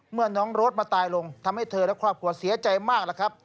เมื่อน้องโรธมาตายลงทำให้เธอและครอบครัวเสียใจมาก